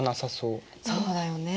そうだよね。